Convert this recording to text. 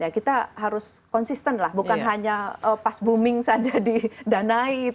kita harus konsisten lah bukan hanya pas booming saja didanai